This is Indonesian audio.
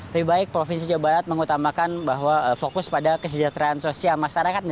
lebih baik provinsi jawa barat mengutamakan bahwa fokus pada kesejahteraan sosial masyarakat